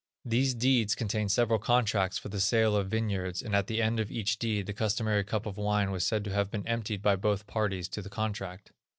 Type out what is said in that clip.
These deeds contained several contracts for the sale of vineyards, and at the end of each deed the customary cup of wine was said to have been emptied by both parties to the contract.